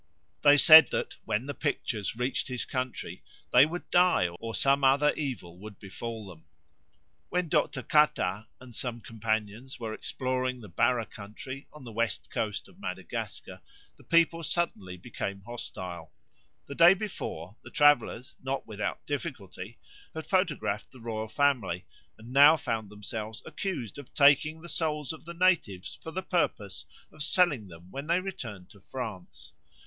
They said that, when the pictures reached his country, they would die or some other evil would befall them. When Dr. Catat and some companions were exploring the Bara country on the west coast of Madagascar, the people suddenly became hostile. The day before the travellers, not without difficulty, had photographed the royal family, and now found themselves accused of taking the souls of the natives for the purpose of selling them when they returned to France.